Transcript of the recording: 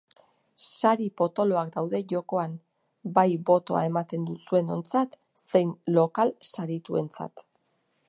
Sari potoloak daude jokoan, bai botoa ematen duzuenontzat zein lokal sarituentzat.